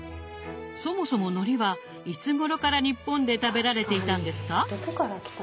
そもそものりはいつごろから日本で食べられていたんですか？